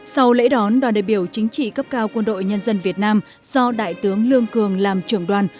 sau lễ đón đoàn đại biểu chính trị cấp cao quân đội nhân dân việt nam do đại tướng lương cường làm trưởng đoàn